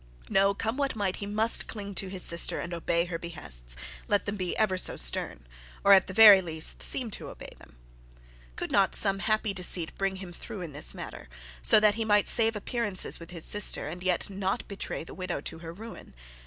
No; come what might, he must cling to his sister and obey her behests, let them be ever so stern; or at the very least be seen to obey them. Could not some happy deceit bring him through in this matter, so that he might save appearances with his sister, and yet not betray the widow to her ruin?